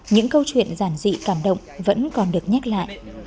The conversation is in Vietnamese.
những câu chuyện giản dị cảm động vẫn còn được nhắc lại